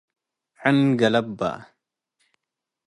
ዕን ገለብ በ።